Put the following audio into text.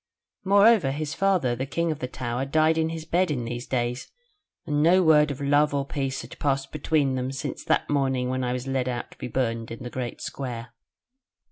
"Moreover, his father, the King of the Tower, died in his bed in these days, and no word of love or peace had passed between them since that morning when I was led out to be burned in the Great Square.